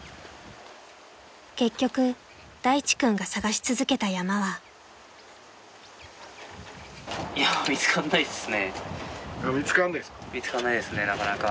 ［結局大地君が探し続けた山は］見つかんないっすか？